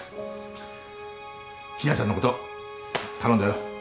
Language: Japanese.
日菜ちゃんのこと頼んだよ。